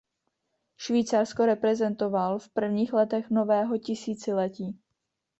Švýcarsko reprezentoval v prvních letech nového tisíciletí.